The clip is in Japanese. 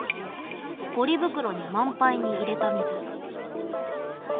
ポリ袋に満杯に入れた水。